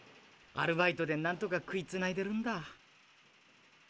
アルバイトでなんとか食いつないでるんだ。